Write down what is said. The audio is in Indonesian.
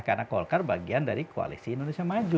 karena golkar bagian dari koalisi indonesia maju